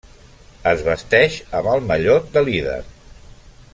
Es vesteix amb el mallot de líder.